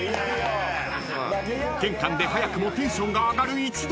［玄関で早くもテンションが上がる一同］